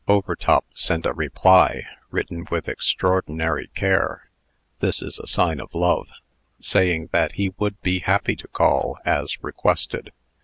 Overtop sent a reply, written with extraordinary care (this is a sign of love), saying that he would be happy to call, as requested.